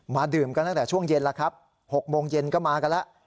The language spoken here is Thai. ดื่มกันตั้งแต่ช่วงเย็นแล้วครับ๖โมงเย็นก็มากันแล้ว